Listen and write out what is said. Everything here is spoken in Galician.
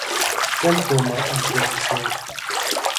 Quen toma as decisións?